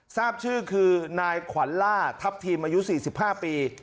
ทราบชื่อคือนายขวัญล่าทัพทีมอายุ๔๕ปี